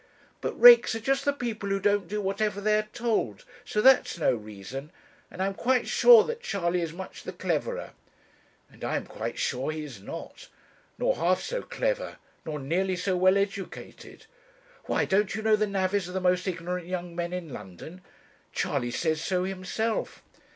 'But rakes are just the people who don't do whatever they are told; so that's no reason. And I am quite sure that Charley is much the cleverer.' 'And I am quite sure he is not nor half so clever; nor nearly so well educated. Why, don't you know the navvies are the most ignorant young men in London? Charley says so himself.'